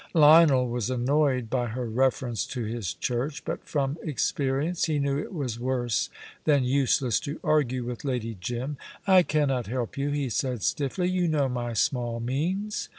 Lionel was annoyed by her reference to his church, but from experience he knew it was worse than useless to argue with Lady Jim. "I cannot help you," he said stiffly; "you know my small means."